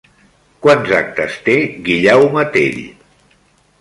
Quants actes té Guillaume Tell?